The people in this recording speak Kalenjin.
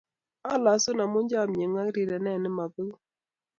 Alosun amu chamnyeng'ung' ak rirenten ne babeku